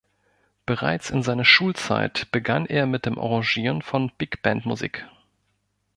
Bereits in seiner Schulzeit begann er mit dem Arrangieren von Big-Band-Musik.